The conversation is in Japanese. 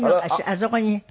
あそこに。